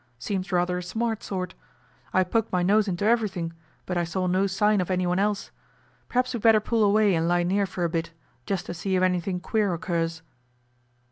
Seems rather a smart sort. I poked my nose into everything, but I saw no sign of any one else. Perhaps we'd better pull away and lie near for a bit, just to see if anything queer occurs.